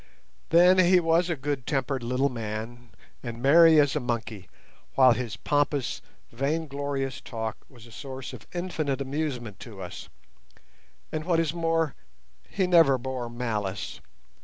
Then he was a good tempered little man, and merry as a monkey, whilst his pompous, vainglorious talk was a source of infinite amusement to us; and what is more, he never bore malice.